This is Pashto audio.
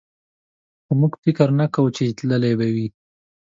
خو موږ فکر نه کوو چې تللی به وي.